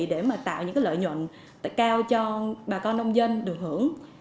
để mà tạo những lợi nhuận cao cho bà con nông dân được hưởng